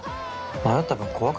迷った分怖く